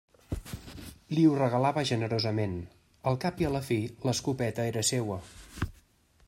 Li ho regalava generosament: al cap i a la fi, l'escopeta era seua.